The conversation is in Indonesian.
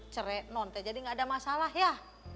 cere nonte jadi enggak ada masalah ya